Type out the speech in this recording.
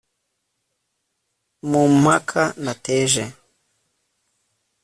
mu mpaka nateje